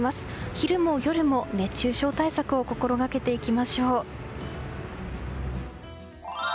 昼も夜も熱中症対策を心がけていきましょう。